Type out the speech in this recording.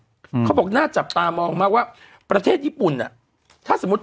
เขาบอกน่าจับตามองมากว่าประเทศญี่ปุ่นอ่ะถ้าสมมุติ